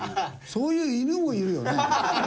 そういう犬もいるよね。